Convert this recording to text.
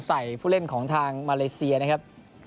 ผู้เล่นของทางมาเลเซียนะครับ